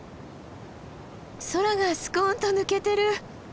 空がスコンと抜けてる！